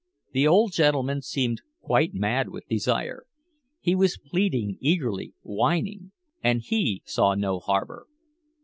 The old gentleman seemed quite mad with desire. He was pleading eagerly, whining. And he saw no harbor.